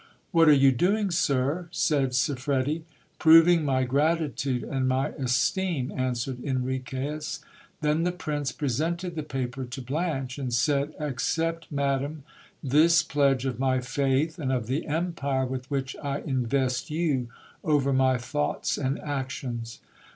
What are you doing, sir ? said Siffredi Proving my gratitude and my esteem, answered Enriquez. Then the prince presented the paper to Blanche, and said — Accept, madam, this pledge of my faith, and of the empire with which I invest you over my thoughts and actions.